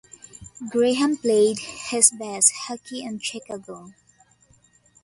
Graham played his best hockey in Chicago.